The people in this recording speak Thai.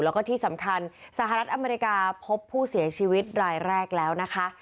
แล้วก็ที่สำคัญสหรัฐอเมริกาพบผู้เสียชีวิตรายแรกแล้วนะคะ